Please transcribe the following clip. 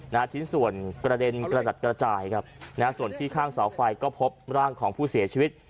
ชิ้นส่วนกระเด็นกระจัดกระจายครับนะฮะส่วนที่ข้างเสาไฟก็พบร่างของผู้เสียชีวิต